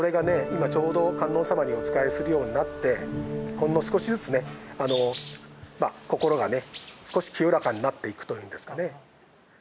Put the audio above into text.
今ちょうど観音様にお仕えするようになってほんの少しずつねあの心がね少し清らかになっていくというんですかね。